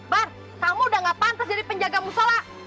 bar kamu udah nggak pantas jadi penjaga mu sholat